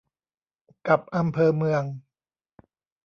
กับอำเภอเมือง